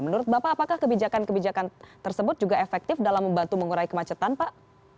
menurut bapak apakah kebijakan kebijakan tersebut juga efektif dalam membantu mengurai kemacetan pak